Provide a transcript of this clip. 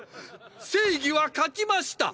正義は勝ちました！！